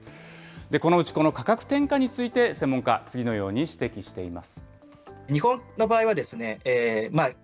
このうち、この価格転嫁について専門家、次のように指摘しています。